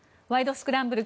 スクランブル」